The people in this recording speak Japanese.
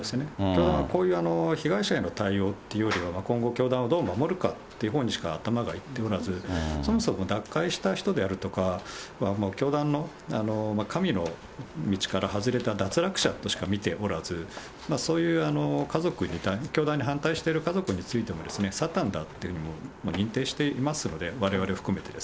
だからこういう被害者の対応っていうよりは、今後、教団をどう守るかっていうほうにしか頭がいっておらず、そもそも脱会した人であるとか、教団の神の道から外れた脱落者としか見ておらず、そういう家族に教団に反対している家族に対してサタンだというふうに認定していますので、われわれ含めて。